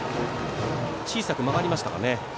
小さく曲がりましたかね。